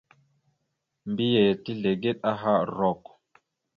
Mbiyez tezlegeɗ aha rrok.